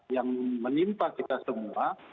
yang menimpa kita semua